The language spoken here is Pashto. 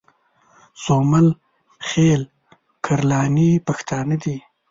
سومل خېل کرلاني پښتانه دي